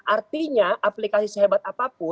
artinya aplikasi sehebat apapun